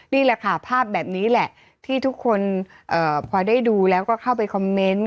นี่แหละค่ะภาพแบบนี้แหละที่ทุกคนพอได้ดูแล้วก็เข้าไปคอมเมนต์